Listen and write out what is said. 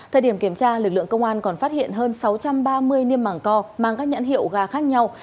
thời điểm kiểm tra lực lượng công an còn phát hiện hơn sáu trăm ba mươi niêm mảng co mang các nhãn hiệu gà khác nhau